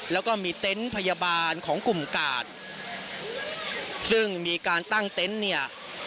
แล้วก็มีเต็นต์พยาบาลของกลุ่มกาดซึ่งมีการตั้งเต็นต์เนี่ย